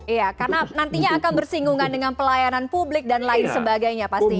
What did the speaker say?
iya karena nantinya akan bersinggungan dengan pelayanan publik dan lain sebagainya pasti